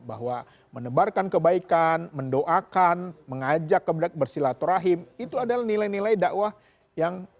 bahwa menebarkan kebaikan mendoakan mengajak keberat bersilaturahim itu adalah nilai nilai dakwah yang